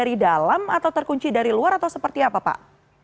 dari dalam atau terkunci dari luar atau seperti apa pak